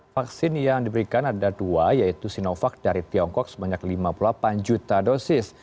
vaksin yang diberikan ada dua yaitu sinovac dari tiongkok sebanyak lima puluh delapan juta dosis